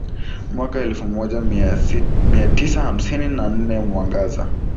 Mwaka elfumoja miatisa hamsini na nne Mwangaza